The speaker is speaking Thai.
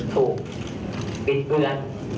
ถูกปิดเบื้อง